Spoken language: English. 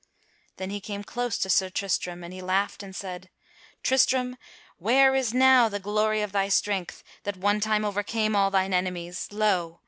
Then he came close to Sir Tristram, and he laughed and said: "Tristram where is now the glory of thy strength that one time overcame all thine enemies? Lo!